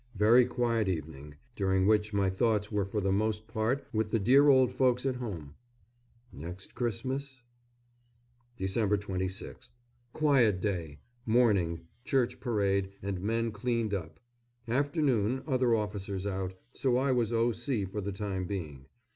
Very quiet evening, during which my thoughts were for the most part with the dear old folks at home.... NEXT CHRISTMAS??? Dec. 26th. Quiet day. Morning, church parade and men cleaned up. Afternoon, other officers out, so I was O.C. for the time being.